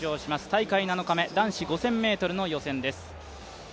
大会７日目、男子５０００ｍの予選です。